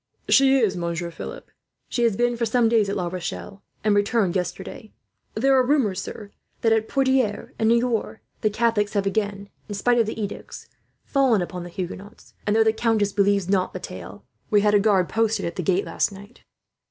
"She is, Monsieur Philip. She has been for some days at La Rochelle, and returned yesterday. There are rumours, sir, that at Poitiers and Niort the Catholics have again, in spite of the edicts, fallen upon the Huguenots; and though the countess believes not the tale, we had a guard posted at the gate last night."